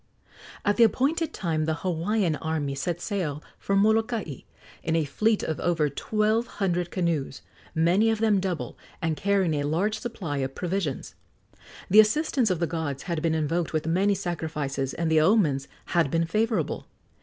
At the appointed time the Hawaiian army set sail for Molokai in a fleet of over twelve hundred canoes, many of them double, and carrying a large supply of provisions. The assistance of the gods had been invoked with many sacrifices, and the omens had been favorable.